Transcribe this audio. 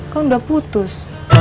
kamu udah putus